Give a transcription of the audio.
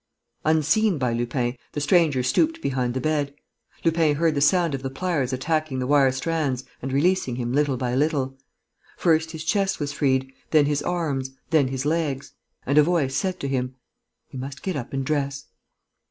Unseen by Lupin, the stranger stooped behind the bed. Lupin heard the sound of the pliers attacking the wire strands and releasing him little by little. First his chest was freed, then his arms, then his legs. And a voice said to him: "You must get up and dress."